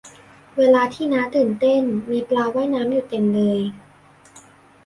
เวลาที่น้าตื่นเต้นมีปลาว่ายอยู่เต็มเลย